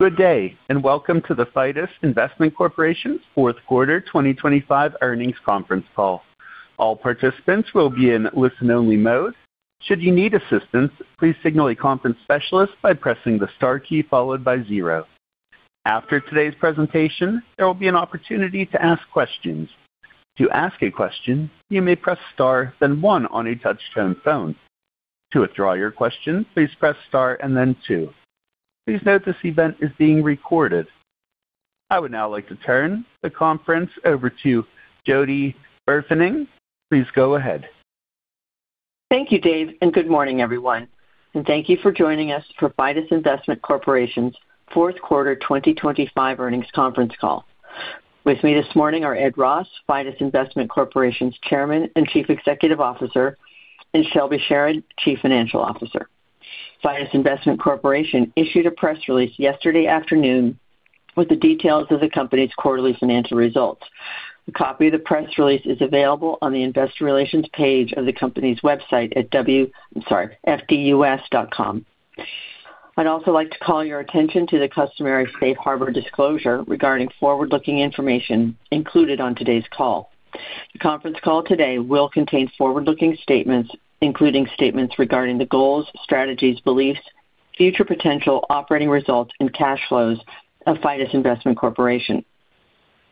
Good day, welcome to the Fidus Investment Corporation's fourth quarter 2025 earnings conference call. All participants will be in listen-only mode. Should you need assistance, please signal a conference specialist by pressing the Star key followed by 0. After today's presentation, there will be an opportunity to ask questions. To ask a question, you may press Star, then 1 on a touch-tone phone. To withdraw your question, please press Star and then 2. Please note, this event is being recorded. I would now like to turn the conference over to Jody Burfening. Please go ahead. Thank you, Dave, good morning, everyone. Thank you for joining us for Fidus Investment Corporation's fourth quarter 2025 earnings conference call. With me this morning are Ed Ross, Fidus Investment Corporation's Chairman and Chief Executive Officer, and Shelby Sherard, Chief Financial Officer. Fidus Investment Corporation issued a press release yesterday afternoon with the details of the company's quarterly financial results. A copy of the press release is available on the investor relations page of the company's website at fdus.com. I'd also like to call your attention to the customary safe harbor disclosure regarding forward-looking information included on today's call. The conference call today will contain forward-looking statements, including statements regarding the goals, strategies, beliefs, future potential operating results, and cash flows of Fidus Investment Corporation.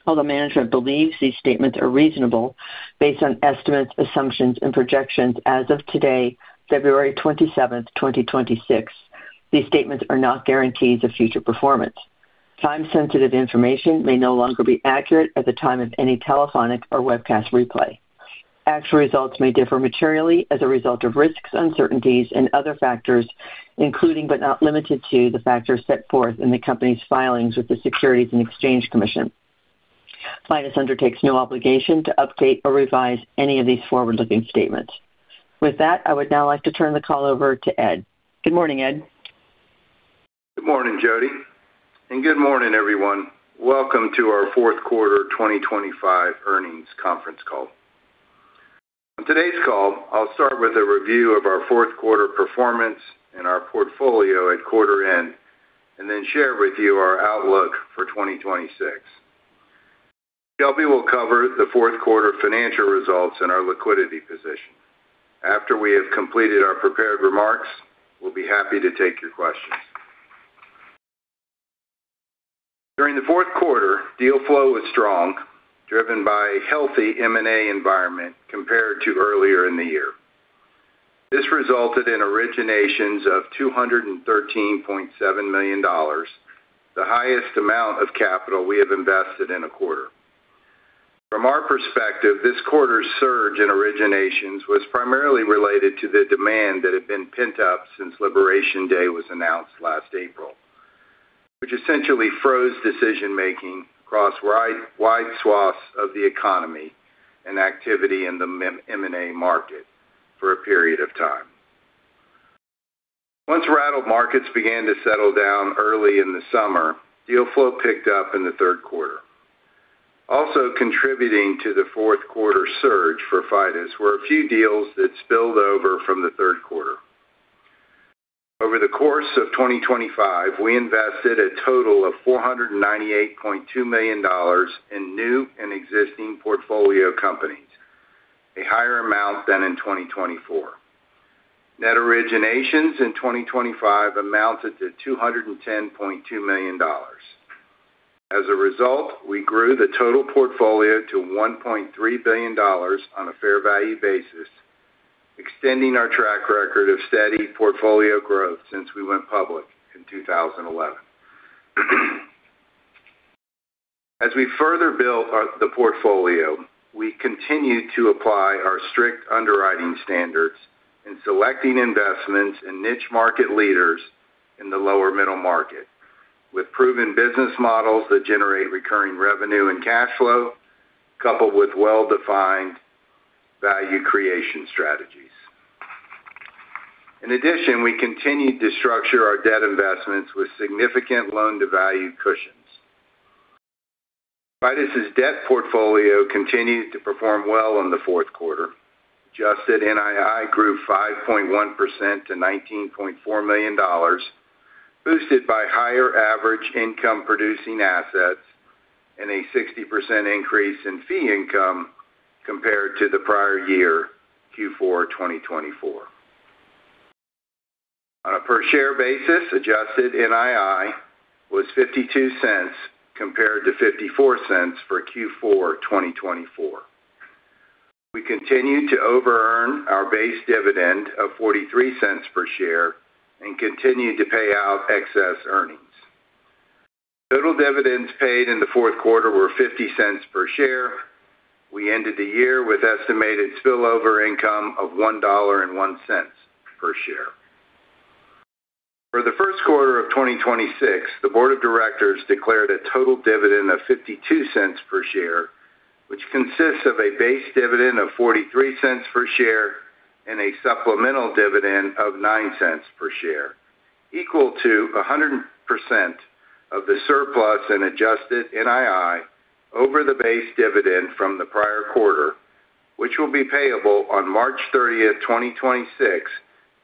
Although management believes these statements are reasonable, based on estimates, assumptions, and projections as of today, February 27th, 2026, these statements are not guarantees of future performance. Time-sensitive information may no longer be accurate at the time of any telephonic or webcast replay. Actual results may differ materially as a result of risks, uncertainties, and other factors, including, but not limited to, the factors set forth in the company's filings with the Securities and Exchange Commission. Fidus undertakes no obligation to update or revise any of these forward-looking statements. With that, I would now like to turn the call over to Ed. Good morning, Ed. Good morning, Jody, good morning, everyone. Welcome to our fourth quarter 2025 earnings conference call. On today's call, I'll start with a review of our fourth quarter performance and our portfolio at quarter end, and then share with you our outlook for 2026. Shelby will cover the fourth quarter financial results and our liquidity position. After we have completed our prepared remarks, we'll be happy to take your questions. During the fourth quarter, deal flow was strong, driven by a healthy M&A environment compared to earlier in the year. This resulted in originations of $213.7 million, the highest amount of capital we have invested in a quarter. From our perspective, this quarter's surge in originations was primarily related to the demand that had been pent up since Liberation Day was announced last April, which essentially froze decision-making across wide swaths of the economy and activity in the M&A market for a period of time. Rattled markets began to settle down early in the summer, deal flow picked up in the third quarter. Contributing to the fourth quarter surge for Fidus were a few deals that spilled over from the third quarter. Over the course of 2025, we invested a total of $498.2 million in new and existing portfolio companies, a higher amount than in 2024. Net originations in 2025 amounted to $210.2 million. As a result, we grew the total portfolio to $1.3 billion on a fair value basis, extending our track record of steady portfolio growth since we went public in 2011. As we further built up the portfolio, we continued to apply our strict underwriting standards in selecting investments and niche market leaders in the lower middle market, with proven business models that generate recurring revenue and cash flow, coupled with well-defined value creation strategies. In addition, we continued to structure our debt investments with significant loan-to-value cushions. Fidus's debt portfolio continued to perform well in the fourth quarter. Adjusted NII grew 5.1% to $19.4 million, boosted by higher average income-producing assets and a 60% increase in fee income compared to the prior year, Q4 2024. On a per-share basis, adjusted NII was $0.52, compared to $0.54 for Q4 2024. We continued to overearn our base dividend of $0.43 per share and continued to pay out excess earnings. Total dividends paid in the fourth quarter were $0.50 per share. We ended the year with estimated spillover income of $1.01 per share. For the first quarter of 2026, the board of directors declared a total dividend of $0.52 per share, which consists of a base dividend of $0.43 per share and a supplemental dividend of $0.09 per share, equal to 100% of the surplus in adjusted NII over the base dividend from the prior quarter, which will be payable on March 30th, 2026,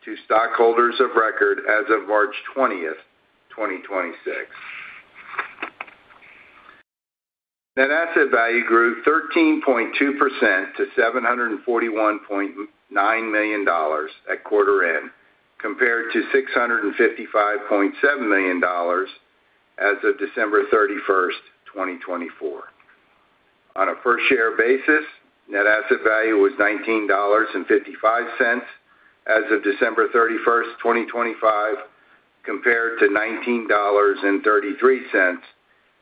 to stockholders of record as of March 20th, 2026. Net asset value grew 13.2% to $741.9 million at quarter end, compared to $655.7 million as of December 31, 2024. On a per share basis, net asset value was $19.55 as of December 31, 2025, compared to $19.33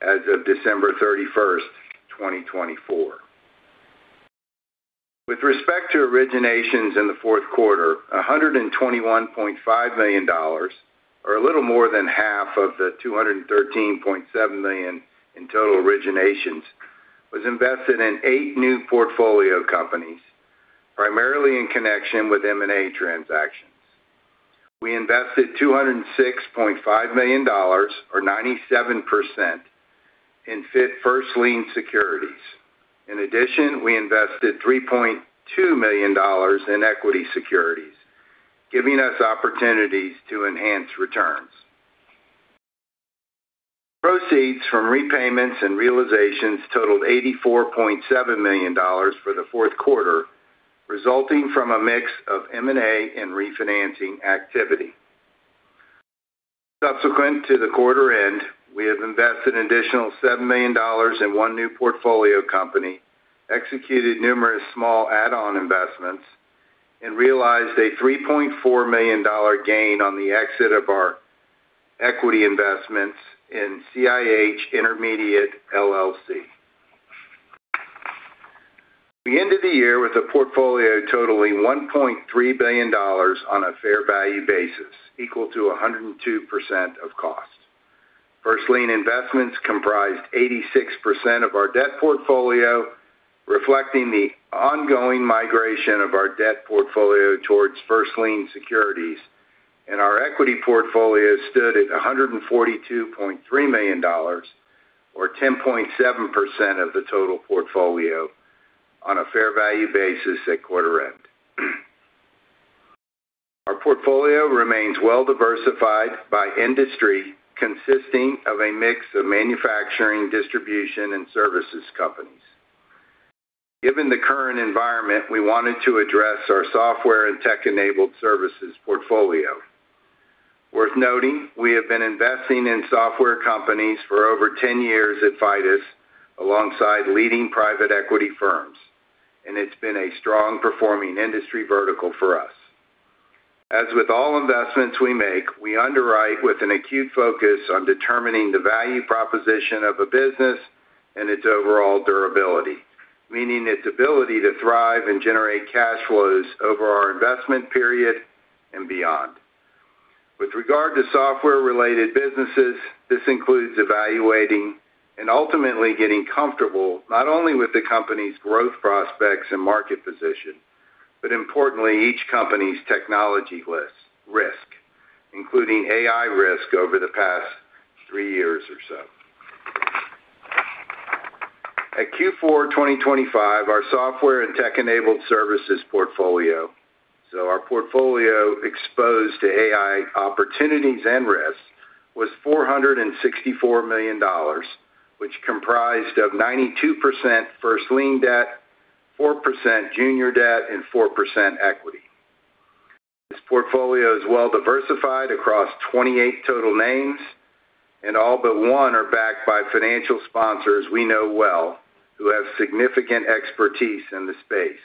as of December 31, 2024. With respect to originations in the fourth quarter, $121.5 million, or a little more than half of the $213.7 million in total originations, was invested in 8 new portfolio companies, primarily in connection with M&A transactions. We invested $206.5 million, or 97%, in fit first lien securities. We invested $3.2 million in equity securities, giving us opportunities to enhance returns. Proceeds from repayments and realizations totaled $84.7 million for the fourth quarter, resulting from a mix of M&A and refinancing activity. Subsequent to the quarter end, we have invested an additional $7 million in one new portfolio company, executed numerous small add-on investments, and realized a $3.4 million gain on the exit of our equity investments in CIH Intermediate, LLC. We ended the year with a portfolio totaling $1.3 billion on a fair value basis, equal to 102% of cost. First lien investments comprised 86% of our debt portfolio, reflecting the ongoing migration of our debt portfolio towards first lien securities, and our equity portfolio stood at $142.3 million, or 10.7% of the total portfolio, on a fair value basis at quarter end. Our portfolio remains well diversified by industry, consisting of a mix of manufacturing, distribution, and services companies. Given the current environment, we wanted to address our software and tech-enabled services portfolio. Worth noting, we have been investing in software companies for over 10 years at Fidus, alongside leading private equity firms, and it's been a strong performing industry vertical for us. As with all investments we make, we underwrite with an acute focus on determining the value proposition of a business and its overall durability, meaning its ability to thrive and generate cash flows over our investment period and beyond. With regard to software-related businesses, this includes evaluating and ultimately getting comfortable, not only with the company's growth prospects and market position, but importantly, each company's technology risk, including AI risk over the past three years or so. At Q4 2025, our software and tech-enabled services portfolio, so our portfolio exposed to AI opportunities and risks, was $464 million, which comprised of 92% first lien debt, 4% junior debt, and 4% equity. This portfolio is well diversified across 28 total names, and all but one are backed by financial sponsors we know well, who have significant expertise in the space,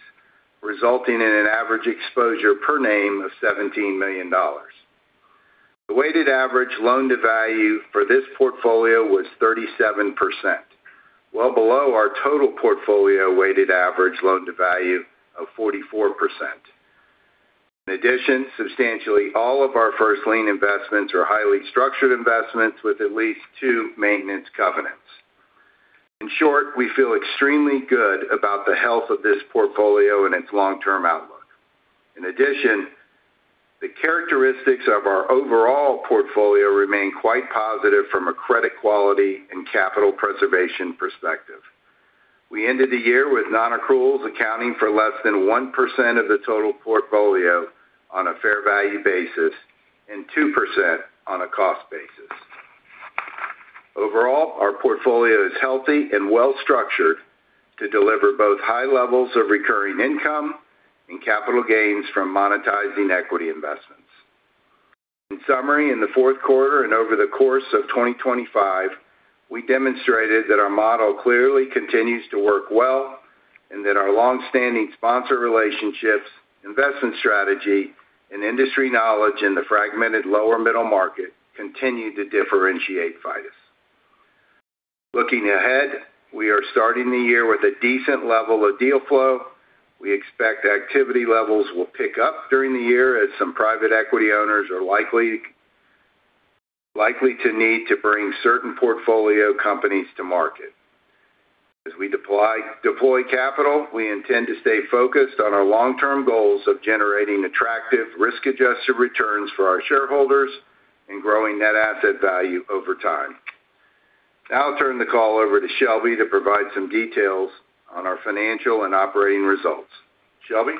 resulting in an average exposure per name of $17 million. The weighted average loan-to-value for this portfolio was 37%, well below our total portfolio weighted average loan-to-value of 44%. Substantially all of our first lien investments are highly structured investments with at least two maintenance covenants. We feel extremely good about the health of this portfolio and its long-term outlook. The characteristics of our overall portfolio remain quite positive from a credit quality and capital preservation perspective. We ended the year with non-accruals accounting for less than 1% of the total portfolio on a fair value basis and 2% on a cost basis. Overall, our portfolio is healthy and well-structured to deliver both high levels of recurring income and capital gains from monetizing equity investments. In summary, in the fourth quarter and over the course of 2025, we demonstrated that our model clearly continues to work well and that our long-standing sponsor relationships, investment strategy, and industry knowledge in the fragmented lower middle market continue to differentiate Fidus. Looking ahead, we are starting the year with a decent level of deal flow. We expect activity levels will pick up during the year, as some private equity owners are likely to need to bring certain portfolio companies to market. As we deploy capital, we intend to stay focused on our long-term goals of generating attractive, risk-adjusted returns for our shareholders and growing net asset value over time. I'll turn the call over to Shelby to provide some details on our financial and operating results. Shelby?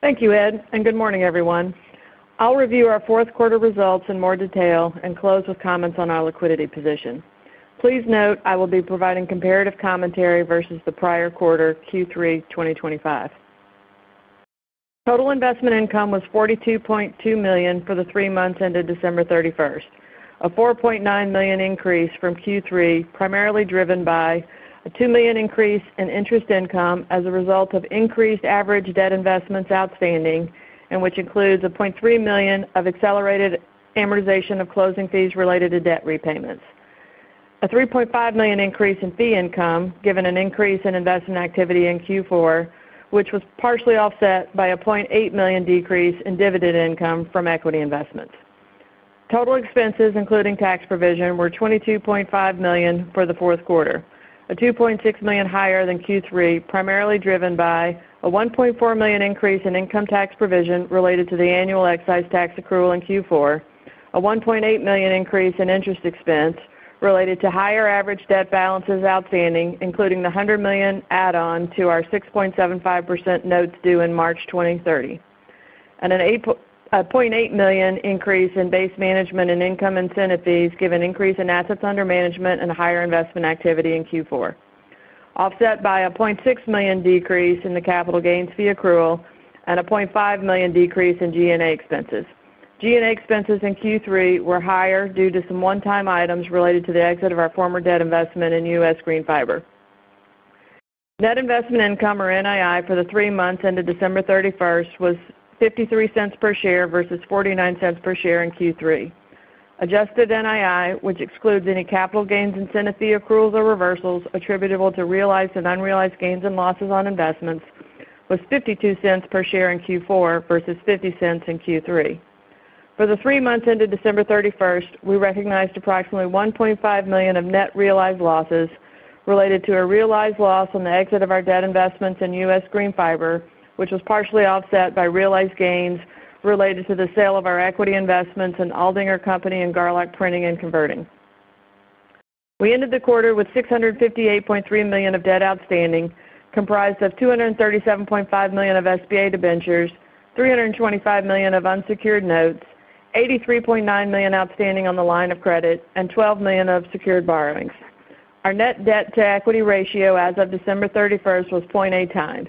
Thank you, Ed. Good morning, everyone. I'll review our fourth quarter results in more detail and close with comments on our liquidity position. Please note I will be providing comparative commentary versus the prior quarter, Q3 2025. Total investment income was $42.2 million for the three months ended December 31st, a $4.9 million increase from Q3, primarily driven by a $2 million increase in interest income as a result of increased average debt investments outstanding, which includes a $0.3 million of accelerated amortization of closing fees related to debt repayments. A $3.5 million increase in fee income, given an increase in investment activity in Q4, which was partially offset by a $0.8 million decrease in dividend income from equity investments. Total expenses, including tax provision, were $22.5 million for the fourth quarter, a $2.6 million higher than Q3, primarily driven by a $1.4 million increase in income tax provision related to the annual excise tax accrual in Q4, a $1.8 million increase in interest expense related to higher average debt balances outstanding, including the $100 million add-on to our 6.75% notes due in March 2030. A $0.8 million increase in base management and income incentive fees, given increase in assets under management and higher investment activity in Q4, offset by a $0.6 million decrease in the capital gains fee accrual and a $0.5 million decrease in G&A expenses. G&A expenses in Q3 were higher due to some one-time items related to the exit of our former debt investment in US Greenfiber. Net investment income, or NII, for the three months ended December 31st was $0.53 per share versus $0.49 per share in Q3. Adjusted NII, which excludes any capital gains incentive, fee accruals or reversals attributable to realized and unrealized gains and losses on investments, was $0.52 per share in Q4 versus $0.50 in Q3. For the 3 months ended December 31st, we recognized approximately $1.5 million of net realized losses related to a realized loss on the exit of our debt investments in US Greenfiber, which was partially offset by realized gains related to the sale of our equity investments in Aldinger Company and Garlock Printing and Converting. We ended the quarter with $658.3 million of debt outstanding, comprised of $237.5 million of SBA debentures, $325 million of unsecured notes, $83.9 million outstanding on the line of credit, and $12 million of secured borrowings. Our net debt to equity ratio as of December 31st was 0.8 times.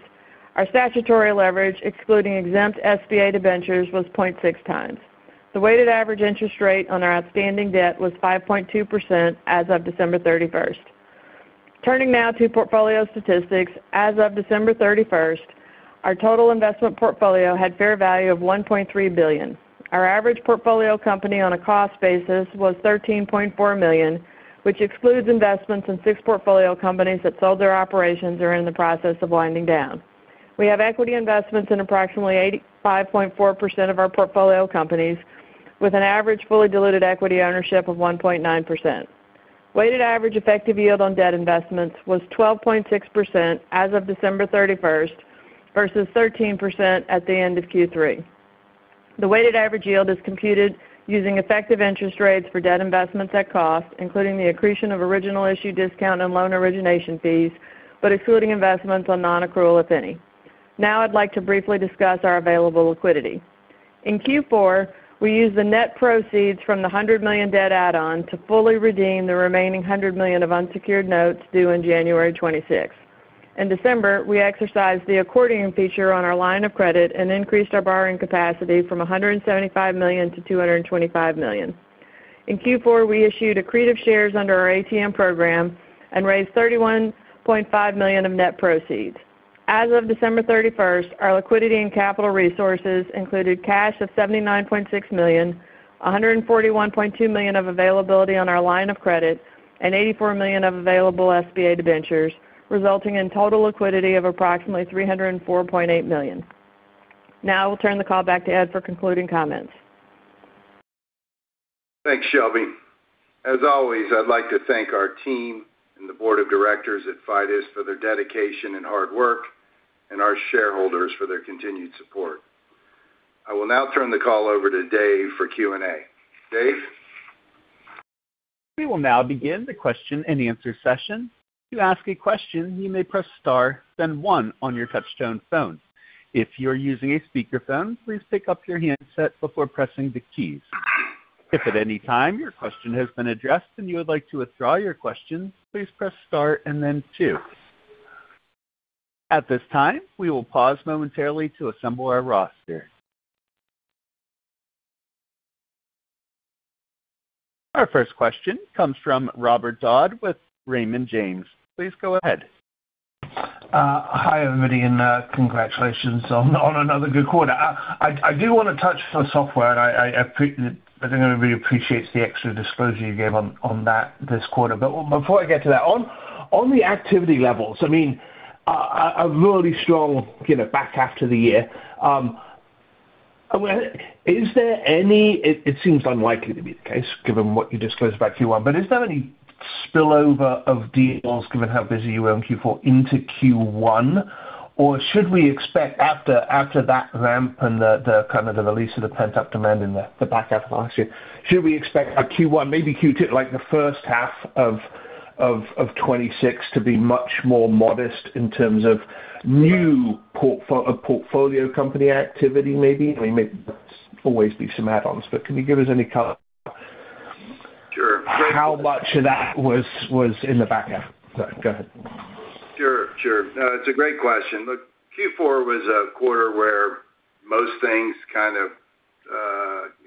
Our statutory leverage, excluding exempt SBA debentures, was 0.6 times. The weighted average interest rate on our outstanding debt was 5.2% as of December 31st. Turning now to portfolio statistics. As of December 31st, our total investment portfolio had fair value of $1.3 billion. Our average portfolio company on a cost basis was $13.4 million, which excludes investments in six portfolio companies that sold their operations or are in the process of winding down. We have equity investments in approximately 85.4% of our portfolio companies, with an average fully diluted equity ownership of 1.9%. Weighted average effective yield on debt investments was 12.6% as of December 31st, versus 13% at the end of Q3. The weighted average yield is computed using effective interest rates for debt investments at cost, including the accretion of original issue discount and loan origination fees, but excluding investments on non-accrual, if any. I'd like to briefly discuss our available liquidity. In Q4, we used the net proceeds from the $100 million debt add-on to fully redeem the remaining $100 million of unsecured notes due on January 26th. In December, we exercised the accordion feature on our line of credit and increased our borrowing capacity from $175 million to $225 million. In Q4, we issued accretive shares under our ATM program and raised $31.5 million of net proceeds. As of December 31st, our liquidity and capital resources included cash of $79.6 million, $141.2 million of availability on our line of credit, and $84 million of available SBA debentures, resulting in total liquidity of approximately $304.8 million. I will turn the call back to Ed for concluding comments. Thanks, Shelby. As always, I'd like to thank our team and the board of directors at Fidus for their dedication and hard work and our shareholders for their continued support. I will now turn the call over to Dave for Q&A. Dave? We will now begin the question-and-answer session. To ask a question, you may press star, then one on your touch tone phone. If you're using a speakerphone, please pick up your handset before pressing the keys. If at any time your question has been addressed and you would like to withdraw your question, please press star and then two. At this time, we will pause momentarily to assemble our roster. Our first question comes from Robert Dodd with Raymond James. Please go ahead. Hi, everybody, congratulations on another good quarter. I do want to touch on software, and I, I think everybody appreciates the extra disclosure you gave on that this quarter. Before I get to that, on the activity levels, I mean, a really strong, you know, back half to the year. It, it seems unlikely to be the case, given what you disclosed about Q1, but is there any spillover of deals, given how busy you were in Q4 into Q1? Should we expect after that ramp and the kind of the release of the pent-up demand in the back half of last year, should we expect a Q1, maybe Q2, like the first half of 2026 to be much more modest in terms of new portfolio company activity, maybe? I mean, maybe always be some add-ons, but can you give us any color? Sure. How much of that was in the back half? Go ahead. Sure, sure. It's a great question. Look, Q4 was a quarter where most things kind of,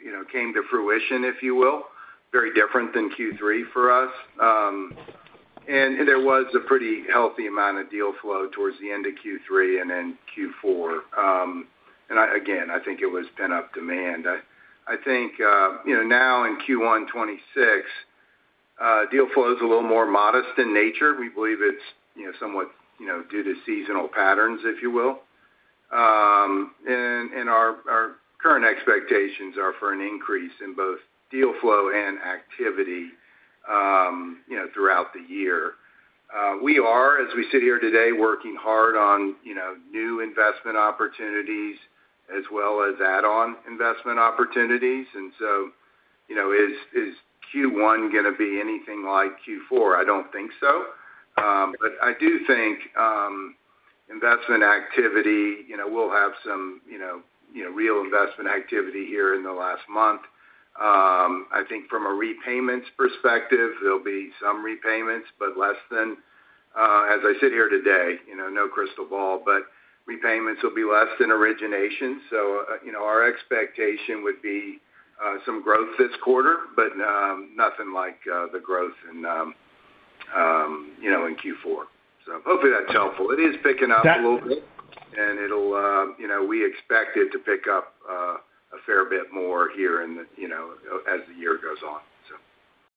you know, came to fruition, if you will. Very different than Q3 for us. There was a pretty healthy amount of deal flow towards the end of Q3 and then Q4. Again, I think it was pent-up demand. I think, you know, now in Q1 2026, deal flow is a little more modest in nature. We believe it's, you know, somewhat, you know, due to seasonal patterns, if you will. Our current expectations are for an increase in both deal flow and activity, you know, throughout the year. We are, as we sit here today, working hard on, you know, new investment opportunities as well as add-on investment opportunities. You know, is Q1 going to be anything like Q4? I don't think so. I do think investment activity, you know, we'll have some, you know, real investment activity here in the last month. I think from a repayments perspective, there'll be some repayments, but less than as I sit here today, you know, no crystal ball, but repayments will be less than origination. You know, our expectation would be some growth this quarter, but nothing like the growth in Q4. Hopefully that's helpful. It is picking up a little bit. That- It'll, you know, we expect it to pick up, a fair bit more here in the, you know, as the year goes on.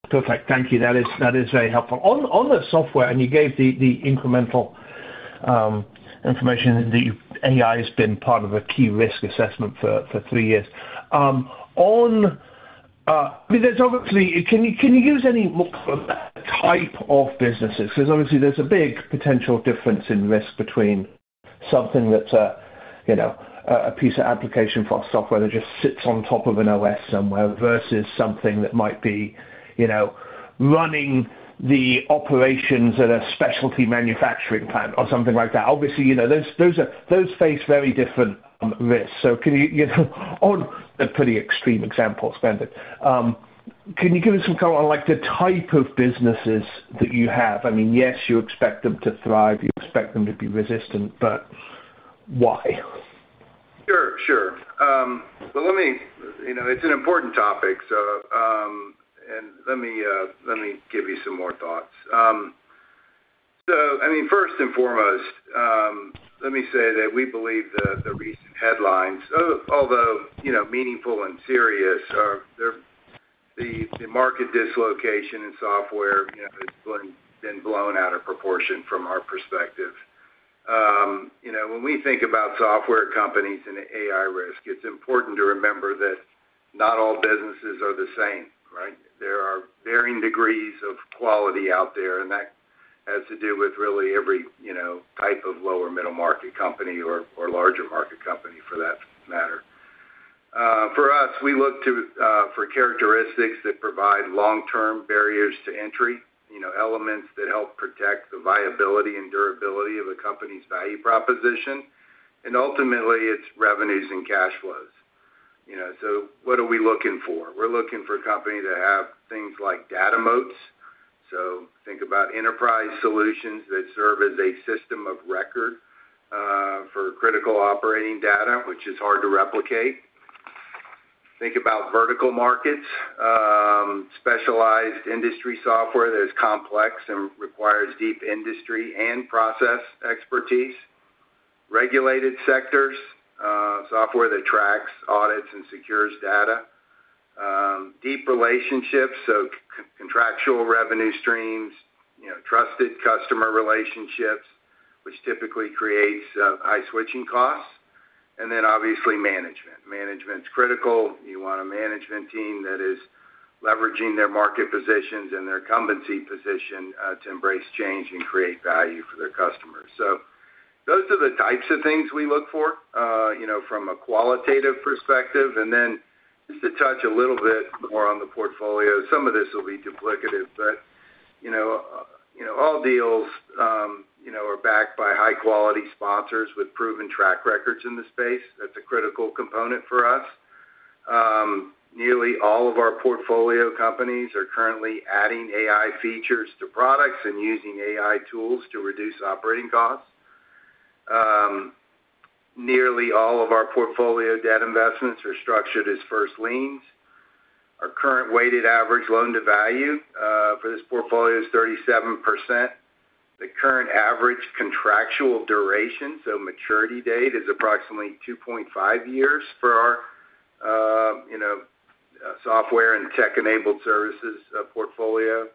Perfect. Thank you. That is very helpful. On the software, you gave the incremental information, the AI has been part of a key risk assessment for three years. On, I mean, can you use any more type of businesses? Obviously there's a big potential difference in risk between something that's, you know, a piece of application for a software that just sits on top of an OS somewhere, versus something that might be, you know, running the operations at a specialty manufacturing plant or something like that. Obviously, you know, those face very different risks. Can you know, on a pretty extreme example, spend it. Can you give us some color on, like, the type of businesses that you have? I mean, yes, you expect them to thrive, you expect them to be resistant, but why? Sure, sure. Let me, you know, it's an important topic. Let me give you some more thoughts. I mean, first and foremost, let me say that we believe the recent headlines, although, you know, meaningful and serious, are the market dislocation in software, you know, has been blown out of proportion from our perspective. You know, when we think about software companies and AI risk, it's important to remember that not all businesses are the same, right? There are varying degrees of quality out there, and that has to do with really every, you know, type of lower middle market company or larger market company for that matter. For us, we look to for characteristics that provide long-term barriers to entry, you know, elements that help protect the viability and durability of a company's value proposition, and ultimately, its revenues and cash flows. You know, what are we looking for? We're looking for companies that have things like data moats. Think about enterprise solutions that serve as a system of record for critical operating data, which is hard to replicate. Think about vertical markets, specialized industry software that is complex and requires deep industry and process expertise. Regulated sectors, software that tracks, audits, and secures data. Deep relationships, so contractual revenue streams, you know, trusted customer relationships, which typically creates high switching costs. Then obviously management. Management's critical. You want a management team that is leveraging their market positions and their incumbency position to embrace change and create value for their customers. Those are the types of things we look for, you know, from a qualitative perspective. Just to touch a little bit more on the portfolio, some of this will be duplicative, but, you know, you know, all deals, you know, are backed by high-quality sponsors with proven track records in the space. That's a critical component for us. Nearly all of our portfolio companies are currently adding AI features to products and using AI tools to reduce operating costs. Nearly all of our portfolio debt investments are structured as first liens. Our current weighted average loan-to-value for this portfolio is 37%. The current average contractual duration, so maturity date, is approximately 2.5 years for our, you know, software and tech-enabled services portfolio.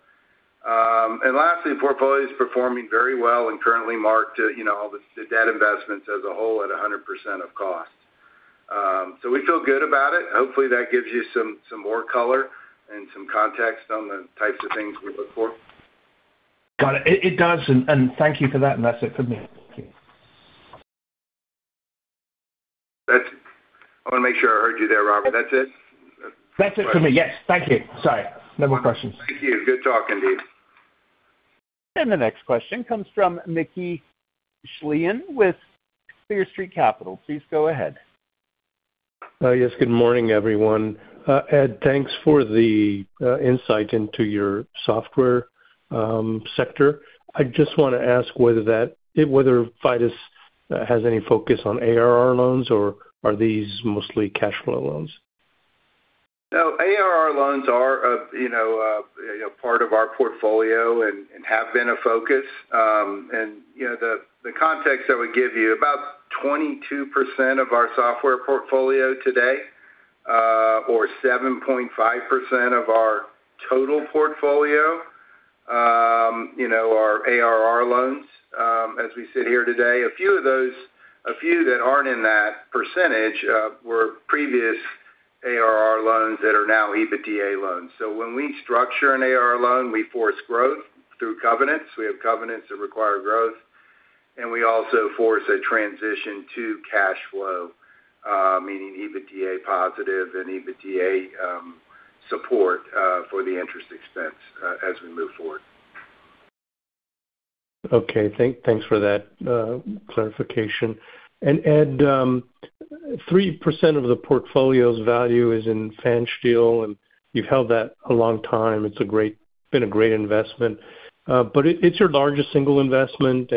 Lastly, the portfolio is performing very well and currently marked, you know, all the debt investments as a whole at 100% of cost. We feel good about it. Hopefully, that gives you some more color and some context on the types of things we look for. Got it. It does, and thank you for that. That's it for me. Thank you. I wanna make sure I heard you there, Robert. That's it? That's it for me. Yes. Thank you. Sorry. No more questions. Thank you. Good talking to you. The next question comes from Mickey Schleien with Clear Street. Please go ahead. Yes. Good morning, everyone. Ed, thanks for the insight into your software sector. I just want to ask whether Fidus has any focus on ARR loans, or are these mostly cash flow loans? ARR loans are, you know, part of our portfolio and have been a focus. You know, the context I would give you, about 22% of our software portfolio today, or 7.5% of our total portfolio, you know, are ARR loans as we sit here today. A few that aren't in that percentage were previous ARR loans that are now EBITDA loans. When we structure an ARR loan, we force growth through covenants. We have covenants that require growth, and we also force a transition to cash flow, meaning EBITDA positive and EBITDA support for the interest expense as we move forward. Okay. Thanks for that clarification. Ed, 3% of the portfolio's value is in Fansteel, you've held that a long time. It's been a great investment. It, it's your largest single investment,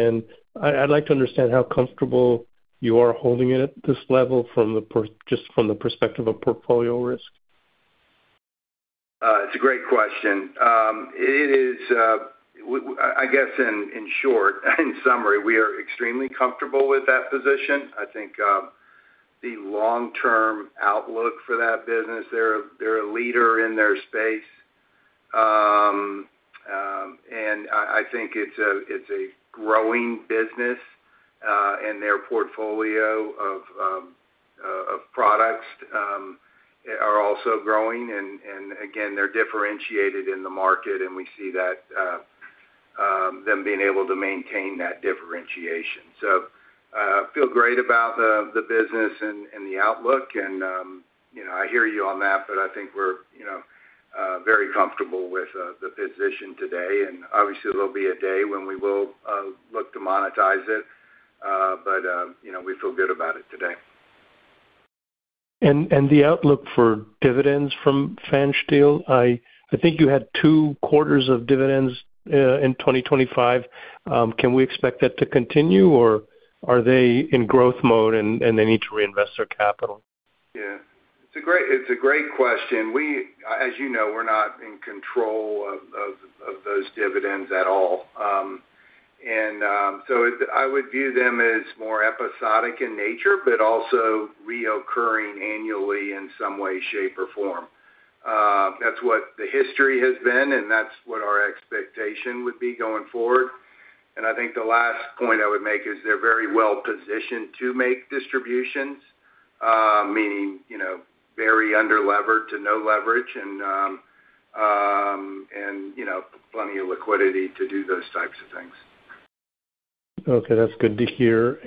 I'd like to understand how comfortable you are holding it at this level from just from the perspective of portfolio risk. It's a great question. It is, I guess, in short, in summary, we are extremely comfortable with that position. I think, the long-term outlook for that business, they're a leader in their space. I think it's a growing business, and their portfolio of products are also growing. Again, they're differentiated in the market, and we see that them being able to maintain that differentiation. Feel great about the business and the outlook, and, you know, I hear you on that, but I think we're, you know, very comfortable with the position today. Obviously, there'll be a day when we will look to monetize it. You know, we feel good about it today. The outlook for dividends from Fansteel, I think you had two quarters of dividends in 2025. Can we expect that to continue, or are they in growth mode, and they need to reinvest their capital? Yeah. It's a great question. We, as you know, we're not in control of those dividends at all. I would view them as more episodic in nature, but also reoccurring annually in some way, shape, or form. That's what the history has been, and that's what our expectation would be going forward. I think the last point I would make is they're very well positioned to make distributions, meaning, you know, very underlevered to no leverage, you know, plenty of liquidity to do those types of things. Okay. That's good to hear.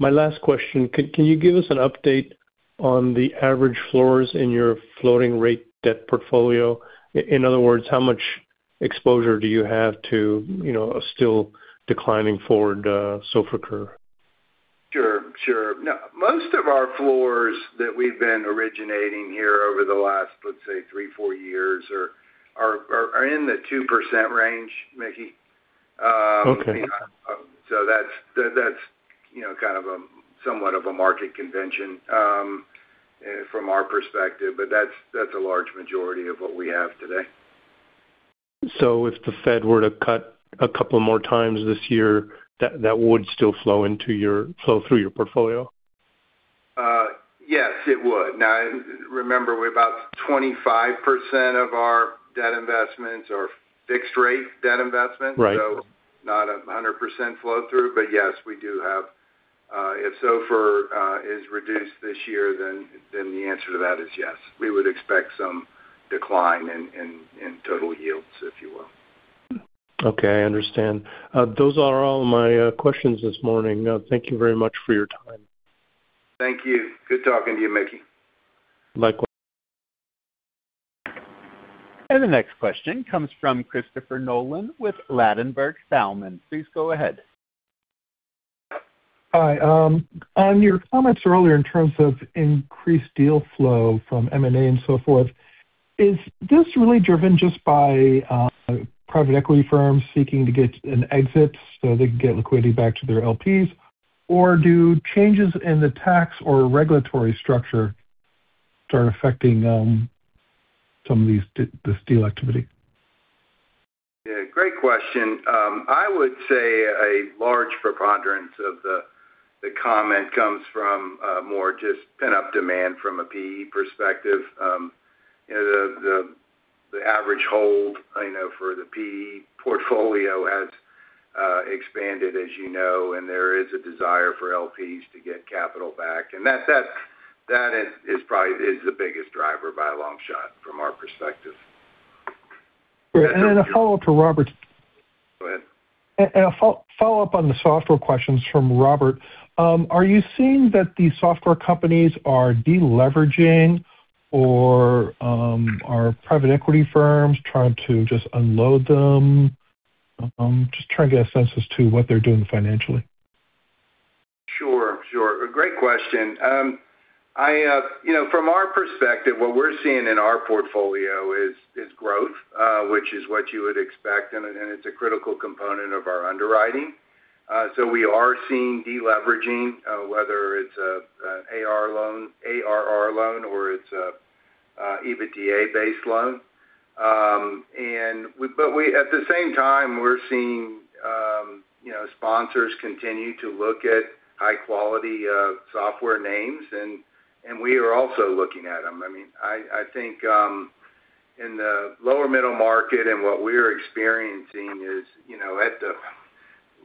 My last question, can you give us an update on the average floors in your floating rate debt portfolio? In other words, how much exposure do you have to, you know, a still declining forward SOFR curve? Sure. Sure. Now, most of our floors that we've been originating here over the last, let's say, three, four years, are in the 2% range, Mickey. Okay. That's, you know, kind of a, somewhat of a market convention, from our perspective, but that's a large majority of what we have today. If the Fed were to cut a couple more times this year, that would still flow through your portfolio? Yes, it would. Remember, we're about 25% of our debt investments are fixed rate debt investments. Right. Not 100% flow through, but yes, we do have, if SOFR is reduced this year, then the answer to that is yes. We would expect some decline in total yields, if you will. Okay, I understand. those are all my questions this morning. thank you very much for your time. Thank you. Good talking to you, Mickey. Likewise. The next question comes from Christopher Nolan with Ladenburg Thalmann. Please go ahead. On your comments earlier, in terms of increased deal flow from M&A and so forth, is this really driven just by private equity firms seeking to get an exit so they can get liquidity back to their LPs? Or do changes in the tax or regulatory structure start affecting some of this deal activity? Yeah, great question. I would say a large preponderance of the comment comes from more just pent-up demand from a PE perspective. You know, the average hold, I know for the PE portfolio has expanded as you know, and there is a desire for LPs to get capital back. That is probably the biggest driver by a long shot from our perspective. Great. A follow-up to Robert. Go ahead. Follow-up on the software questions from Robert. Are you seeing that the software companies are deleveraging or are private equity firms trying to just unload them? Just trying to get a sense as to what they're doing financially. Sure, sure. A great question. I, you know, from our perspective, what we're seeing in our portfolio is growth, which is what you would expect, and it, and it's a critical component of our underwriting. So we are seeing deleveraging, whether it's a, an AR loan, ARR loan, or it's a EBITDA-based loan. And at the same time, we're seeing, you know, sponsors continue to look at high quality, software names, and we are also looking at them. I mean, I think, in the lower middle market and what we're experiencing is, you know, at the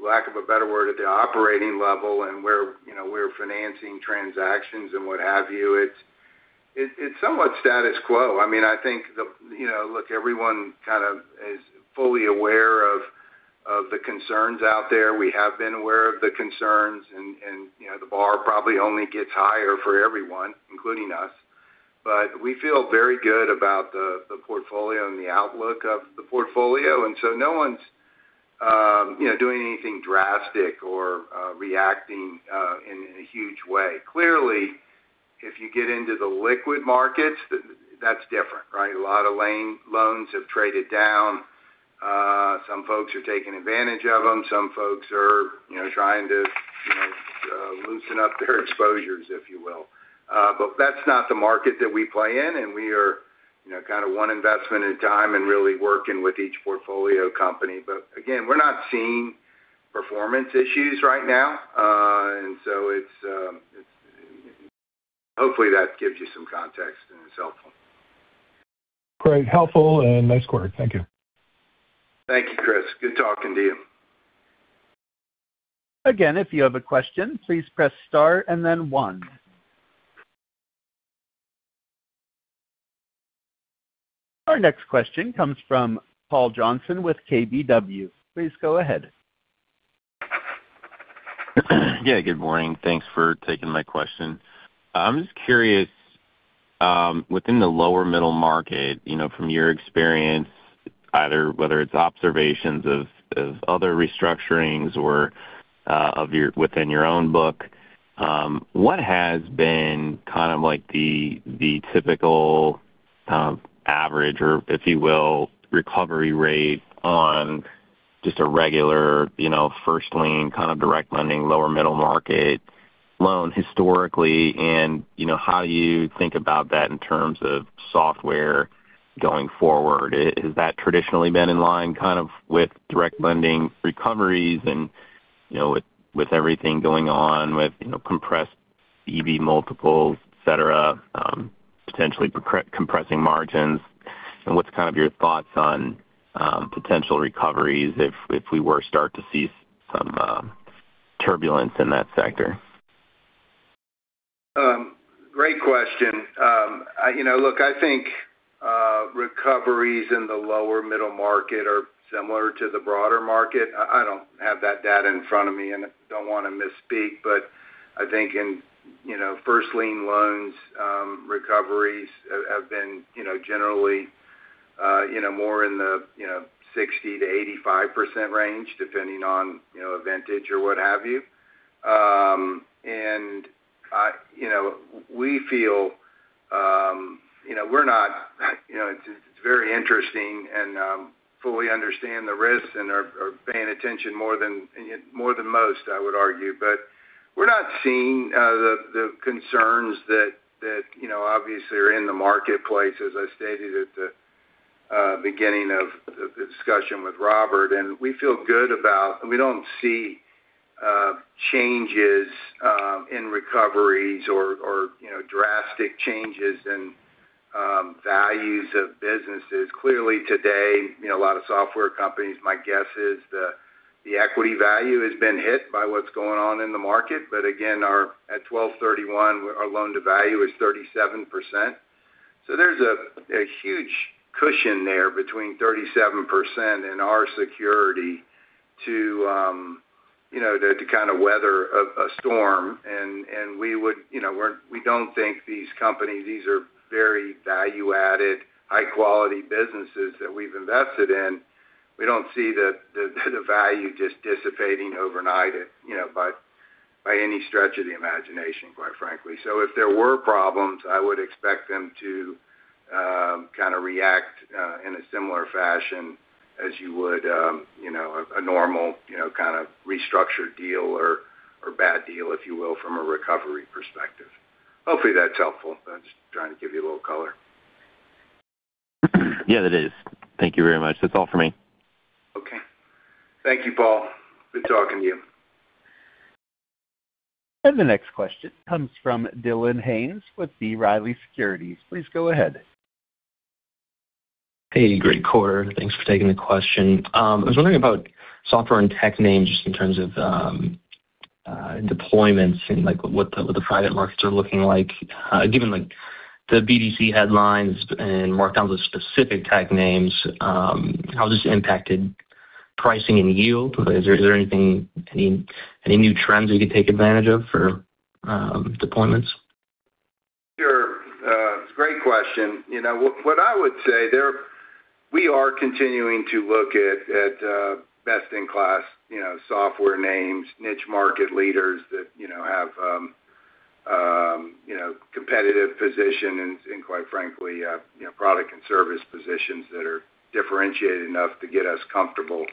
lack of a better word, at the operating level and where, you know, we're financing transactions and what have you, it's, it's somewhat status quo. I mean, I think the... You know, look, everyone kind of is fully aware of the concerns out there. We have been aware of the concerns, and, you know, the bar probably only gets higher for everyone, including us. We feel very good about the portfolio and the outlook of the portfolio. No one's, you know, doing anything drastic or reacting in a huge way. Clearly, if you get into the liquid markets, that's different, right? A lot of loans have traded down. Some folks are taking advantage of them. Some folks are, you know, trying to, you know, loosen up their exposures, if you will. That's not the market that we play in, and we are, you know, kind of one investment at a time and really working with each portfolio company. Again, we're not seeing performance issues right now. Hopefully, that gives you some context, and it's helpful. Great, helpful and nice quarter. Thank you. Thank you, Chris. Good talking to you. If you have a question, please press Star and then One. Our next question comes from Paul Johnson with KBW. Please go ahead. Yeah, good morning. Thanks for taking my question. I'm just curious, within the lower middle market, you know, from your experience, either whether it's observations of other restructurings or within your own book, what has been kind of like the typical average or if you will, recovery rate on just a regular, you know, first lien, kind of, direct lending, lower middle market loan historically? How do you think about that in terms of software going forward? Has that traditionally been in line, kind of, with direct lending recoveries and, you know, with everything going on with, you know, compressed EBITDA multiples, etc, potentially pre-compressing margins? What's kind of your thoughts on potential recoveries if we were start to see some turbulence in that sector? Great question. You know, look, I think recoveries in the lower middle market are similar to the broader market. I don't have that data in front of me, and I don't want to misspeak, but I think in, you know, first lien loans, recoveries have been generally, you know, more in the 60%-85% range, depending on, you know, a vintage or what have you. And, you know, we feel we're not, it's very interesting and fully understand the risks and are paying attention more than most, I would argue. We're not seeing the concerns that, you know, obviously are in the marketplace, as I stated at the beginning of the discussion with Robert, and we feel good about... We don't see changes in recoveries or, you know, drastic changes in values of businesses. Clearly, today, you know, a lot of software companies, my guess is the equity value has been hit by what's going on in the market. Again, our at 12/31, our loan-to-value is 37%. There's a huge cushion there between 37% and our security to, you know, kind of weather a storm. We would, you know, we don't think these companies, these are very value-added, high-quality businesses that we've invested in. We don't see the value just dissipating overnight, you know, any stretch of the imagination, quite frankly. If there were problems, I would expect them to kind of react in a similar fashion as you would, you know, a normal, you know, kind of restructured deal or bad deal, if you will, from a recovery perspective. Hopefully, that's helpful. I'm just trying to give you a little color. Yeah, it is. Thank you very much. That's all for me. Thank you, Paul. Good talking to you.... The next question comes from Bryce Rowe with B. Riley Securities. Please go ahead. Hey, great quarter. Thanks for taking the question. I was wondering about software and tech names, just in terms of deployments and, like, what the private markets are looking like. Given, like, the BDC headlines and markdowns of specific tech names, how has this impacted pricing and yield? Is there anything, any new trends you could take advantage of for deployments? Sure. Great question. You know, what I would say there, we are continuing to look at, best-in-class, you know, software names, niche market leaders that, you know, have, you know, competitive position and, quite frankly, you know, product and service positions that are differentiated enough to get us comfortable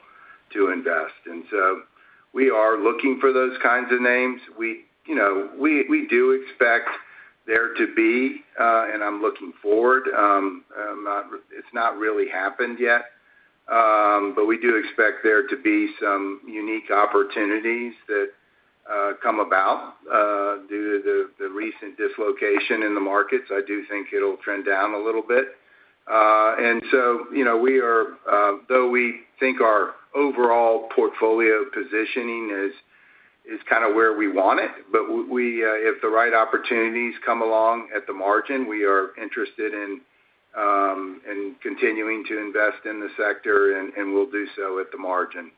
to invest. We are looking for those kinds of names. We, you know, we do expect there to be, and I'm looking forward, it's not really happened yet, but we do expect there to be some unique opportunities that come about due to the recent dislocation in the markets. I do think it'll trend down a little bit. You know, we are... Though we think our overall portfolio positioning is kind of where we want it, we, if the right opportunities come along at the margin, we are interested in continuing to invest in the sector, and we'll do so at the margin.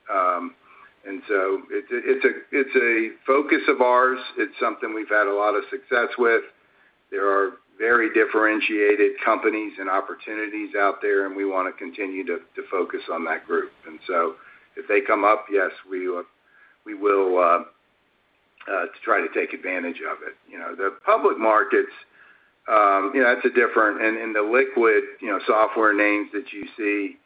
It's a focus of ours. It's something we've had a lot of success with. There are very differentiated companies and opportunities out there, and we wanna continue to focus on that group. If they come up, yes, we will try to take advantage of it. You know, the public markets, you know, that's a different. The liquid, you know, software names that you see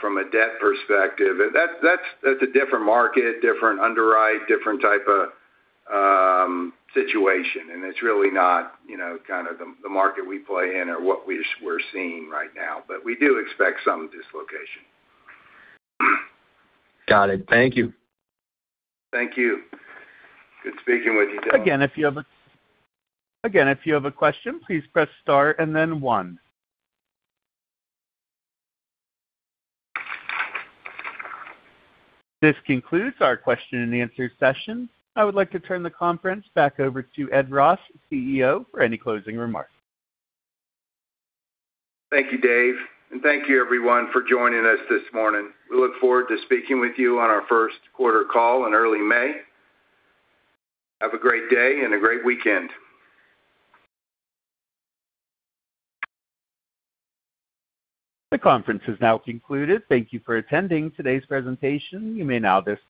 from a debt perspective, that's a different market, different underwrite, different type of situation. It's really not, you know, kind of the market we play in or what we're seeing right now. We do expect some dislocation. Got it. Thank you. Thank you. Good speaking with you, Dylan. Again, if you have a question, please press Star and then one. This concludes our question and answer session. I would like to turn the conference back over to Ed Ross, CEO, for any closing remarks. Thank you, Dave, and thank you everyone for joining us this morning. We look forward to speaking with you on our first quarter call in early May. Have a great day and a great weekend. The conference is now concluded. Thank you for attending today's presentation. You may now disconnect.